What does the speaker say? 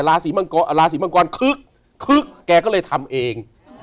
ราศีมังกรคึกคึกแกก็เลยทำเอง